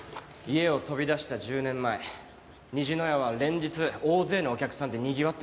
家を飛び出した１０年前虹の屋は連日大勢のお客さんでにぎわってました。